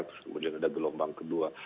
kemudian ada gelombang kedua